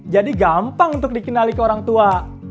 jadi gampang untuk dikenali ke orang tua